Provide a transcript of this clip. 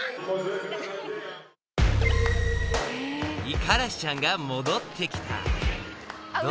［イカラシちゃんが戻ってきたどうだった？］